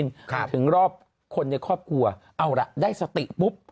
อปอปอปอปอปอปอปอปอปอปอปอปอปอป